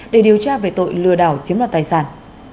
để điều tra về tội lừa đảo chiếm đoạt tài sản